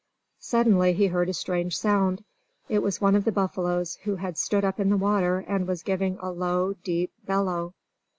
Suddenly he heard a strange sound. It was one of the buffaloes, who had stood up in the water and was giving a low, deep bellow.